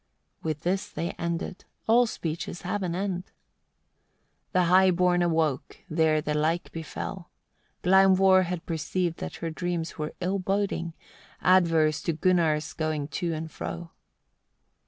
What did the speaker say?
With this they ended: all speeches have an end. 21. The high born awoke, there the like befell: Glaumvor had perceived that her dreams were ill boding, adverse to Gunnar's going to and fro.